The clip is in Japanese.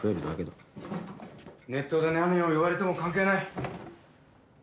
ネットで何を言われても関係ない。